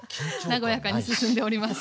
和やかに進んでおります。